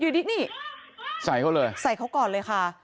ที่นี่ใส่เขาก่อนได้ค่ะ